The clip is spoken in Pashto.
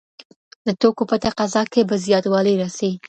د توکو په تقاضا کي به زياتوالی راسي.